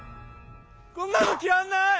こんなの着らんない！